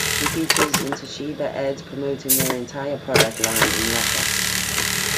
She features in Toshiba ads promoting their entire product line in Russia.